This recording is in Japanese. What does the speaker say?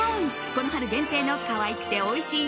この春限定の可愛くておいしい